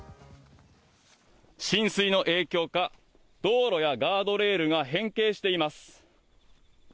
浸水の影響か道路やガードレールが変形しています。